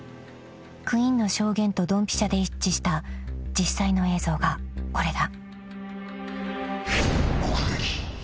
［クインの証言とどんぴしゃで一致した実際の映像がこれだ］